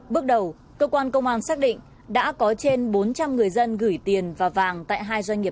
bước đầu cơ quan công an xác định đã có trên bốn trăm linh người dân gửi tiền và vàng tại hai doanh nghiệp